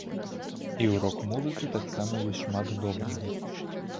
І ў рок-музыцы таксама ёсць шмат добрага.